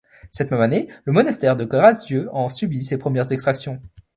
Cette même année, le monastère de la Grâce-Dieu en subit ses premières exactions.